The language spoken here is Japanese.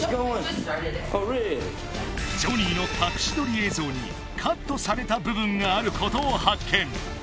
ジョニーの隠し撮り映像にカットされた部分があることを発見